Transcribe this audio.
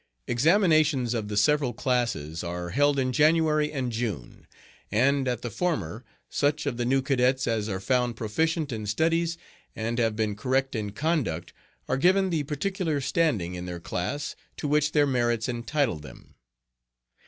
Examinations of the several classes are held in January and June, and at the former such of the new cadets as are found proficient in studies and have been correct in conduct are given the particular standing in their class to which their merits entitle them.